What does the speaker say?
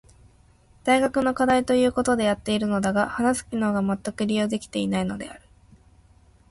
大学の課題と言うことでやっているのだが話す機能がまったく利用できていないのである。